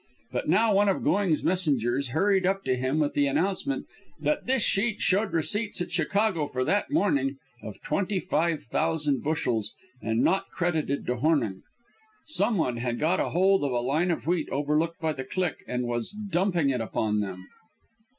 But now one of Going's messengers hurried up to him with the announcement that this sheet showed receipts at Chicago for that morning of twenty five thousand bushels, and not credited to Hornung. Some one had got hold of a line of wheat overlooked by the "clique" and was dumping it upon them.